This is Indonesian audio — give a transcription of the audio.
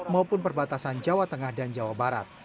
maupun perbatasan jawa tengah dan jawa barat